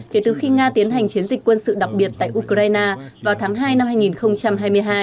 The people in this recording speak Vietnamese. kể từ khi nga tiến hành chiến dịch quân sự đặc biệt tại ukraine vào tháng hai năm hai nghìn hai mươi hai